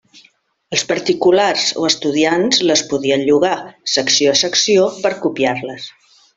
Els particulars o estudiants les podien llogar, secció a secció, per copiar-les.